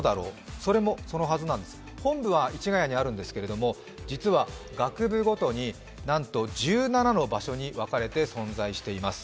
それもそのはずなんです、本部は市ヶ谷にあるんですけど、実は学部ごとになんと１７の場所に分かれて存在しています。